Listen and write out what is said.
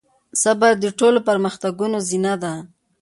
صبر د ټولو پرمختګونو زينه ده.